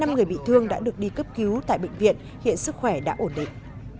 năm người bị thương đã được đi cấp cứu tại bệnh viện hiện sức khỏe đã ổn định